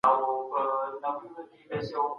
د پانګي تولید تر بل هر څه اړین دی.